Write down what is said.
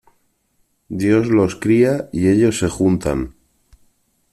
Dios los cría y ellos se juntan.